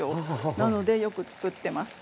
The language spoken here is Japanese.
なのでよくつくってました。